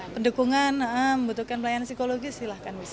pendukungan membutuhkan pelayanan psikologis silahkan bisa